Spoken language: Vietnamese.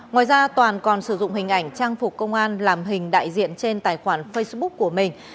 ngoài ra toàn còn sử dụng hình ảnh trang phục công an làm hình đại diện trên tài khoản facebook của mình